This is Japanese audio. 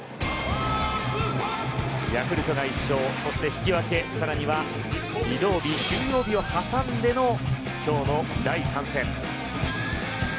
ヤクルトが１勝そして、引き分けさらには移動日休養日をはさんでの今日の第３戦。